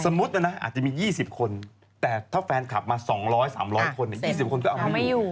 นะอาจจะมี๒๐คนแต่ถ้าแฟนคลับมา๒๐๐๓๐๐คน๒๐คนก็เอาไม่อยู่